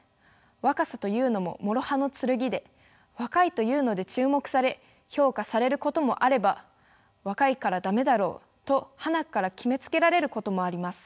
若さというのももろ刃の剣で若いというので注目され評価されることもあれば若いから駄目だろうとはなっから決めつけられることもあります。